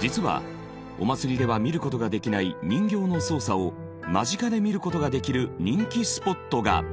実はお祭りでは見る事ができない人形の操作を間近で見る事ができる人気スポットが。